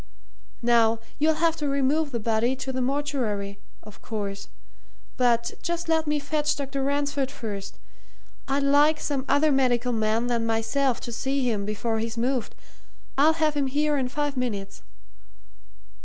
Now, you'll have to remove the body to the mortuary, of course but just let me fetch Dr. Ransford first. I'd like some other medical man than myself to see him before he's moved I'll have him here in five minutes."